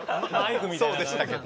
そうでしたけど。